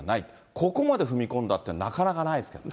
ここまで踏み込んだって、なかなかないですね。